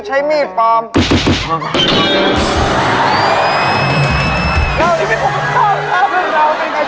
ไม่มีอะไรของเราเล่าส่วนฟังครับพี่